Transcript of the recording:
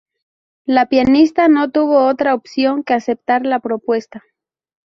La pianista no tuvo otra opción que aceptar la propuesta.